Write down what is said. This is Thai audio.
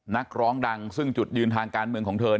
นักร้องดังซึ่งจุดยืนทางการเมืองของเธอ